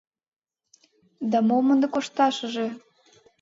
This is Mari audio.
— Да мом ынде кошташыже!